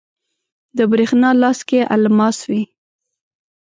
د بریښنا لاس کې الماس وی